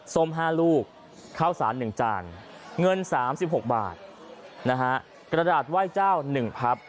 สมหาลูกข้าวสารหนึ่งจานเงินสามสิบหกบาทนะฮะกระดาษไหว้เจ้าหนึ่งพับ